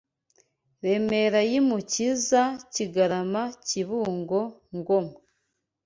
Remera y’ i Mukiza Kigarama Kibungo Ngoma